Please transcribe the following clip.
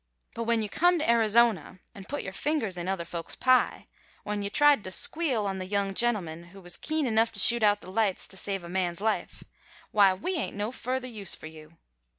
But when you come to Arizona an' put your fingers in other folks' pie, when you tried to 'squeal' on the young gentleman who was keen enough to shoot out the lights to save a man's life, why, we 'ain't no further use for you.